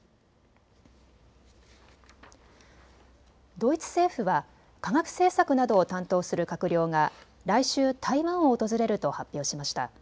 ドイツ政府は科学政策などを担当する閣僚が来週、台湾を訪れると発表しました。